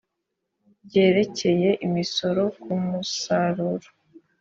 byerekeye imisoro ku musaruro